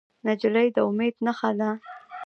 نجلۍ د امید نښه ده.